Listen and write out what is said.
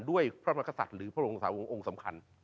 ด้วยพระมกษัตริย์หรือพระองศาวงศ์องค์สำคัญ